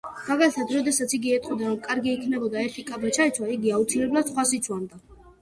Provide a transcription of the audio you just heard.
მაგალითად: როდესაც იგი ეტყოდა, რომ კარგი იქნებოდა ერთი კაბა ჩაეცვა, იგი აუცილებლად სხვას იცვამდა.